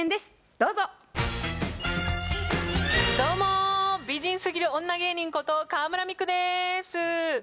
どうも美人すぎる女芸人こと河邑ミクです。